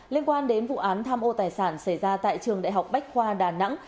liên quan đến vụ án tham ô tài sản xảy ra tại trường đại học bách khoa đà nẵng